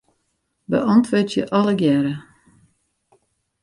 Beäntwurdzje allegearre.